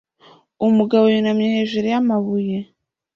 Umugabo yunamye hejuru yamabuye